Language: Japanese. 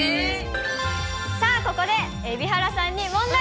さあ、ここで蛯原さんに問題。